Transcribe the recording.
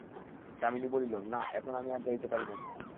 দামিনী বলিল, না, এখন আমি যাইতে পারিব না।